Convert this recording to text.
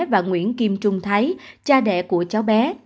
và nguyễn kim trung thấy cha đẻ của cháu bé